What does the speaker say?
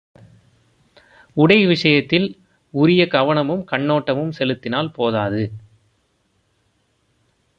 உடை விஷயத்தில் உரிய கவனமும் கண்ணோட்டமும் செலுத்தினால் போதாது.